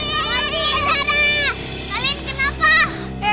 lagi sarah kalian kenapa